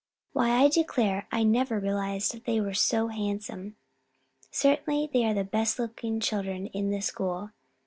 Why, I declare, I never realized that they were so handsome. Certainly, they are the best looking children in the school.